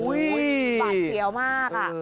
คือหวัดเสียวมากอ่ะ